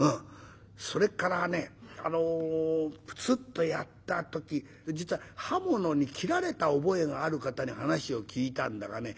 それからねプツッとやった時実は刃物に斬られた覚えがある方に話を聞いたんだがね